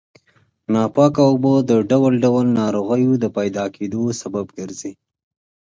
ناپاکه اوبه د ډول ډول ناروغیو د پیدا کېدو سبب ګرځي.